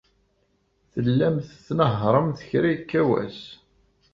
Tellamt tnehhṛemt kra yekka wass.